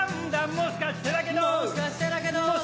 もしかしてだけど